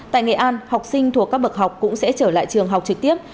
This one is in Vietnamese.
tại nghệ an học sinh thuộc các bậc học cũng sẽ trở lại trường học trực tiếp